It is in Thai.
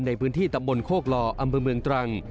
ในพื้นที่ตำบลโคกลออำเภอเมืองตรัง